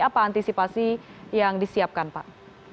apa antisipasi yang disiapkan pak